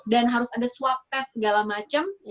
dan harus ada swab test segala macam